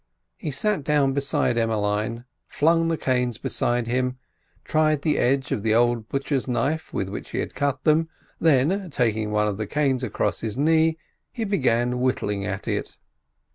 He sat down beside Emmeline, flung the canes beside him, tried the edge of the old butcher's knife with which he had cut them, then, taking one of the canes across his knee, he began whittling at it.